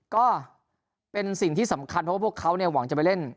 ก็เป็นสิ่งที่สำคัญเพราะว่าพวกเขาเนี่ยหวังจะไปเล่น